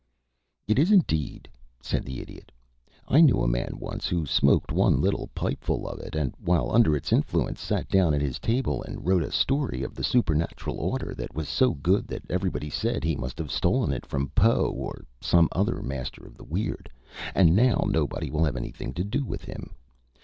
"It is, indeed," said the Idiot. "I knew a man once who smoked one little pipeful of it, and, while under its influence, sat down at his table and wrote a story of the supernatural order that was so good that everybody said he must have stolen it from Poe or some other master of the weird, and now nobody will have anything to do with him.